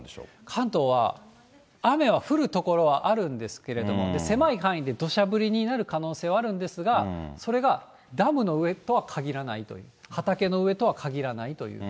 関東は雨は降る所はあるんですけれども、狭い範囲でどしゃ降りになる可能性はあるんですが、それがダムの上とは限らないという、畑の上とは限らないという。